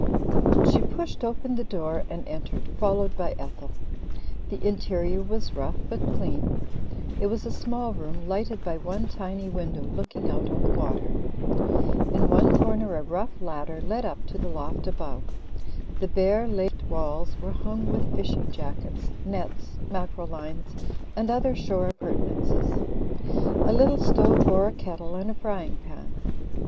She pushed open the door and entered, followed by Ethel. The interior was rough but clean. It was a small room, lighted by one tiny window looking out on the water. In one corner a rough ladder led up to the loft above. The bare lathed walls were hung with fishing jackets, nets, mackerel lines and other shore appurtenances. A little stove bore a kettle and a frying pan.